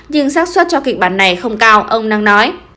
nhưng sắc xuất cho kịch bản này không cao ông năng nói